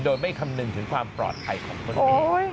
โดยไม่คำนึงถึงความปลอดภัยของคนอื่น